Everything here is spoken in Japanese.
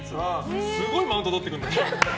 すごいマウントとってくるんだよ。